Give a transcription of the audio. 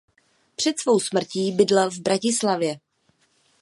Před svou smrtí bydlel v Bratislavě.